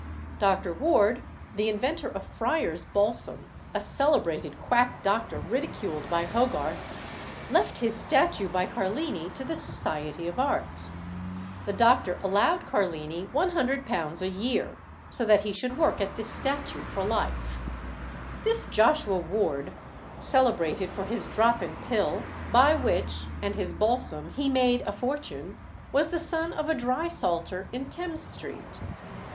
Dr. Ward, the inventor of "Friar's Balsam," a celebrated quack doctor ridiculed by Hogarth, left his statue by Carlini to the Society of Arts. The doctor allowed Carlini £100 a year, so that he should work at this statue for life. This Joshua Ward, celebrated for his drop and pill, by which and his balsam he made a fortune, was the son of a drysalter in Thames Street.